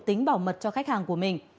tính bảo mật cho khách hàng của mình